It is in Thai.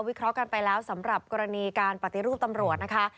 เคราะห์กันไปแล้วสำหรับกรณีการปฏิรูปตำรวจนะคะ